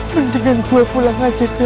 pengen bantuin gue pulang aja deh